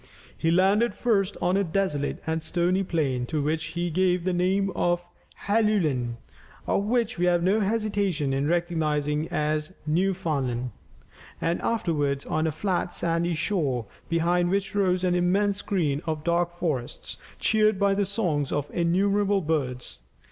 He landed first on a desolate and stony plain, to which he gave the name of Helluland, and which we have no hesitation in recognizing as Newfoundland, and afterwards on a flat sandy shore behind which rose an immense screen of dark forests, cheered by the songs of innumerable birds.